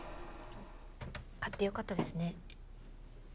買ってよかったですね。